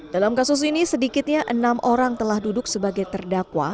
dalam kasus ini sedikitnya enam orang telah duduk sebagai terdakwa